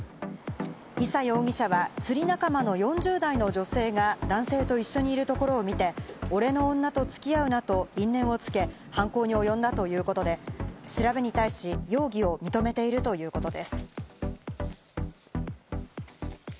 伊佐容疑者は釣り仲間の４０代の女性が男性と一緒にいるところを見て、俺の女と付き合うなと因縁をつけ犯行におよんだということで、調べに対し、容疑を認めているということです。